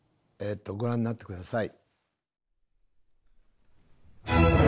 ご覧になって下さい。